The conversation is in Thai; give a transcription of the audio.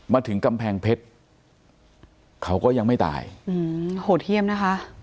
มาถึงกำแพงเพชรเขาก็ยังไม่ตายอืมโหดเยี่ยมนะคะ